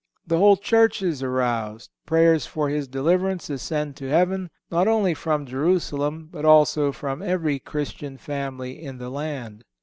The whole Church is aroused. Prayers for his deliverance ascend to heaven, not only from Jerusalem but also from every Christian family in the land.